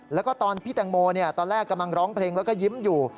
แล้วก็ตอนพี่แตงโมตอนแรกกำลังร้องเพลงแล้วก็ยิ้มอยู่